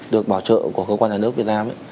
được bảo trợ của cơ quan nhà nước việt nam